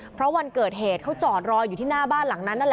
เพราะวันเกิดเหตุเขาจอดรออยู่ที่หน้าบ้านหลังนั้นนั่นแหละ